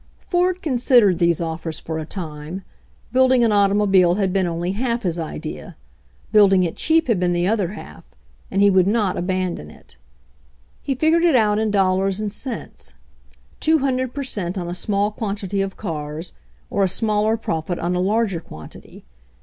Ford considered these offers for a time. Build ing an automobile had been only half of his idea; building it cheap had been the other half, and he would not abandon it. He figured it out in dollars and cents; two hundred per cent on a small quantity of cars, or a smaller profit on a larger quantity.